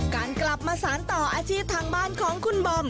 การกลับมาสารต่ออาชีพทางบ้านของคุณบอม